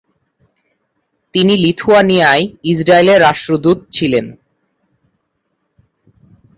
তিনি লিথুয়ানিয়ায় ইসরায়েলের রাষ্ট্রদূত ছিলেন।